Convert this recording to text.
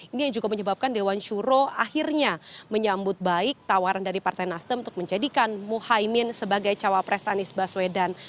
ini yang juga menyebabkan dewan syuro akhirnya menyambut baik tawaran dari partai nasdem untuk menjadikan muhaymin sebagai cawapres anies baswedan